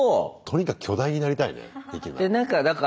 とにかく巨大になりたいねできるなら。